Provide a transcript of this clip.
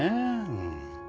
うん。